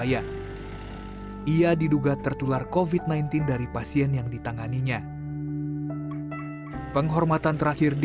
dan itu juga merawat pasien pasien yang tertapar dengan covid sembilan belas